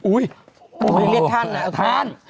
อดโทษ